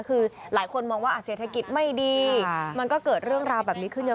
คือหลายคนมองว่าเศรษฐกิจไม่ดีมันก็เกิดเรื่องราวแบบนี้ขึ้นเยอะ